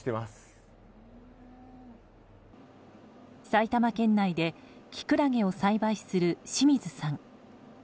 埼玉県内でキクラゲを栽培する清水さん。